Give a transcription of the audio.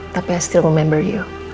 tapi aku masih ingat kamu